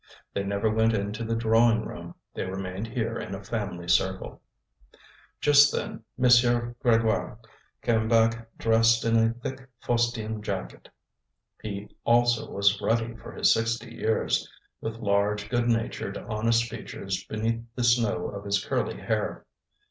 They never went into the drawing room, they remained here in a family circle. Just then M. Grégoire came back dressed in a thick fustian jacket; he also was ruddy for his sixty years, with large, good natured, honest features beneath the snow of his curly hair.